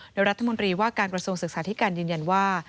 โดยรัฐมนตรีว่าการกระทรวงศึกษาธิการยืนยันว่า